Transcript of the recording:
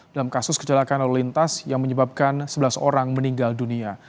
dalam kasus kecelakaan lalu lintas yang menyebabkan sebelas orang meninggal dunia